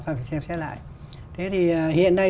ta phải xem xét lại thế thì hiện nay